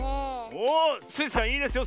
おスイさんいいですよ。